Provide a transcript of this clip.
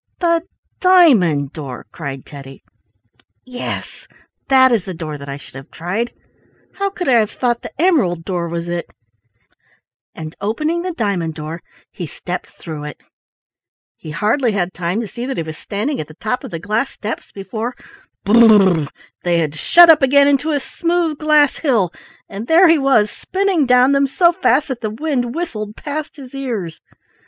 "The diamond door!" cried Teddy. "Yes, that is the door that I should have tried. How could I have thought the emerald door was it?" and opening the diamond door he stepped through it. He hardly had time to see that he was standing at the top of the glass steps, before —br r r r! —they had shut up again into a smooth glass hill, and there he was spinning down them so fast that the wind whistled past his ears.